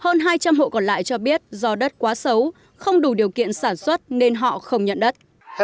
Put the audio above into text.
hơn hai trăm linh hộ còn lại cho biết do đất quá xấu không đủ điều kiện sản xuất nên họ không nhận đất